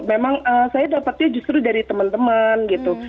memang saya dapatnya justru dari teman teman gitu